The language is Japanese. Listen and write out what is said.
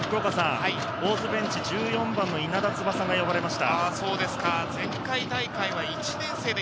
大津ベンチ、１４番の稲田翼が呼ばれました。